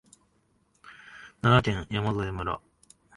奈良県山添村